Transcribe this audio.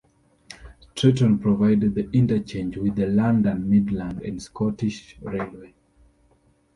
Stretton provided the interchange with the London Midland and Scottish Railway.